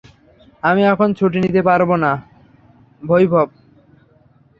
আমি এখন ছুটি নিতে পারবো না, ভৈভব।